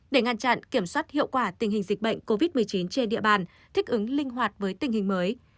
để ngăn chặn kiểm soát hiệu quả tình hình dịch bệnh covid một mươi chín trên địa bàn thích ứng linh hoạt với tình hình mới